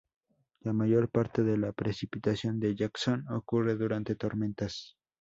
La mayor parte de la precipitación de Jackson ocurre durante tormentas.